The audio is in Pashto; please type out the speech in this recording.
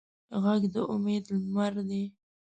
غږ د امید لمر دی